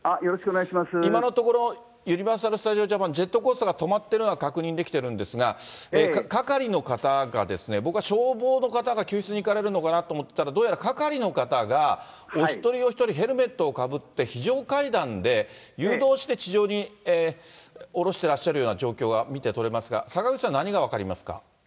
今のところ、ユニバーサル・スタジオ・ジャパン、ジェットコースターが止まっているのは確認できてるんですが、係の方が僕は消防の方が救出に行かれるのかなと思ってたら、どうやら係の方がお一人お一人ヘルメットをかぶって、非常階段で誘導して地上に下ろしてらっしゃるような状況が見て取れますが、坂口さん、何が分かりますか。